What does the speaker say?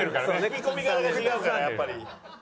聴き込み方が違うからやっぱり。